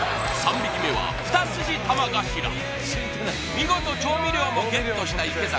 見事調味料もＧＥＴした池崎